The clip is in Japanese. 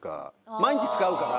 毎日使うから。